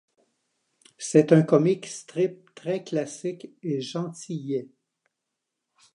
C'est un comic strip très classique et gentillet.